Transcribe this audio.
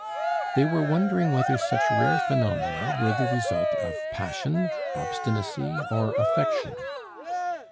They were wondering whether such rare phenomena were the result of passion, obstinacy, or affection.